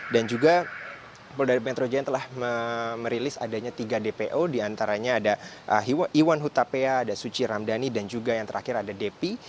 dan juga polda metro jaya telah merilis adanya tiga dpo diantaranya ada iwan hutapea ada suci ramdhani dan juga yang terakhir ada depi